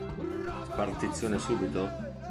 Spartizione subito?